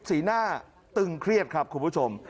สีหน้าตึงเครียดครับคุณผู้ชม